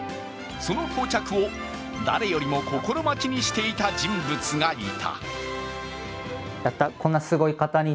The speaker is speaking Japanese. その到着を誰よりも心待ちにしていた人物がいた。